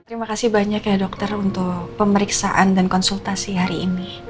terima kasih banyak ya dokter untuk pemeriksaan dan konsultasi hari ini